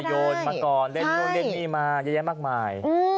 มีคนมาก่อนเล่นนี้มาเยอะแยะมากมาย